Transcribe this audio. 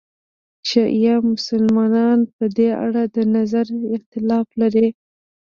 شیعه مسلمانان په دې اړه د نظر اختلاف لري.